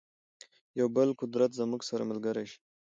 یو بل قدرت زموږ سره ملګری شي.